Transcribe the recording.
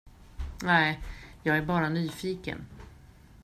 Nej, jag är bara nyfiken.